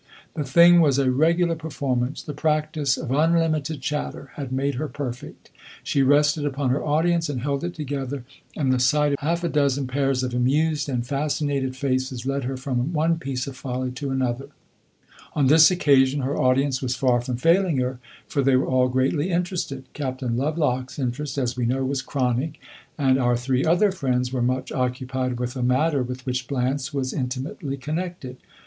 The thing was a regular performance; the practice of unlimited chatter had made her perfect. She rested upon her audience and held it together, and the sight of half a dozen pairs of amused and fascinated faces led her from one piece of folly to another. On this occasion, her audience was far from failing her, for they were all greatly interested. Captain Lovelock's interest, as we know, was chronic, and our three other friends were much occupied with a matter with which Blanche was intimately connected.